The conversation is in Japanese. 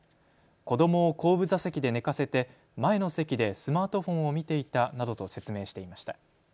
子どもを後部座席で寝かせて前の席でスマートフォンを見ていたなどと説明していました。